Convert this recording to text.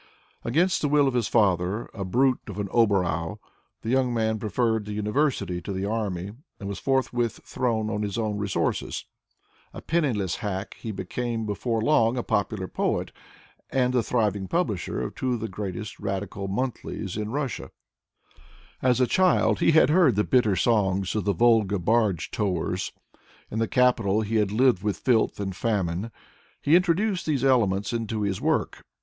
Against the will of his father, a brute of an hobereau, the young man preferred the university to the army, and was forthwith thrown on his own resources. A penniless hack, he became before long a popular poet and the thriving publisher of the two greatest radical monthlies in Russia. As a child he had heard the bitter songs of the Volga barge towers. In the capital he had lived with filth and famine. He introduced these elements into his work.